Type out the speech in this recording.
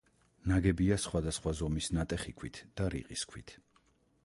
ნაგებია სხვადასხვა ზომის ნატეხი ქვით და რიყის ქვით.